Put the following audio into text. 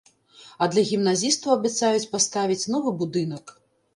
А для гімназістаў абяцаюць паставіць новы будынак.